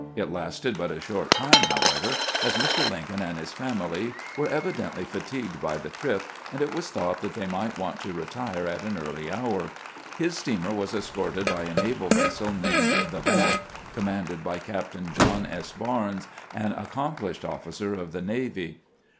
It lasted but a short time, however, as Mr. Lincoln and his family were evidently fatigued by the trip, and it was thought that they might want to retire at an early hour. His steamer was escorted by a naval vessel named the Bat, commanded by Captain John S. Barnes, an accom plished officer of the navy.